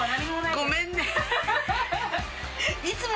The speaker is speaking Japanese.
ごめんね。